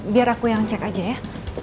biar aku yang cek aja ya